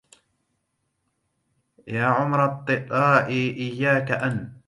يا عمر الطلاء إياك أن